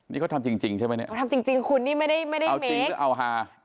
นี่เขาทำจริงใช่ไหมเนี่ยเอาจริงก็เอาฮา